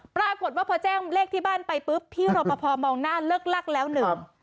ปรากฏว่าพอแจ้งเลขที่บ้านไปปุ๊บพี่รอปภมองหน้าเลิกลักแล้วหนึ่ง